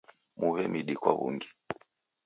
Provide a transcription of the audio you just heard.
Muwe midi kwa w'ungi.